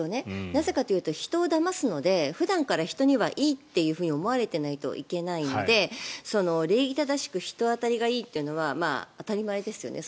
なぜかというと、人をだますので普段から人には、いいって思われていないといけないので礼儀正しく人当たりがいいというのは当たり前ですよね